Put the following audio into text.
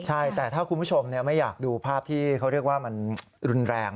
ใช่แต่ถ้าคุณผู้ชมไม่อยากดูภาพที่เขาเรียกว่ามันรุนแรง